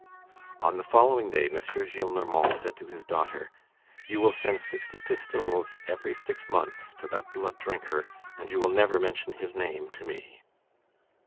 On the following day, M. Gillenormand said to his daughter: "You will send sixty pistoles every six months to that blood drinker, and you will never mention his name to me."